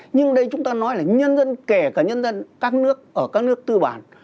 nhưng đây chúng ta nói là nhân dân kể cả nhân dân các nước ở các nước tư bản